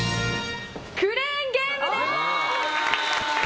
クレーンゲームです。